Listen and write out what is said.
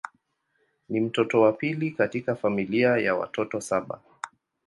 Ni mtoto wa pili katika familia ya watoto saba.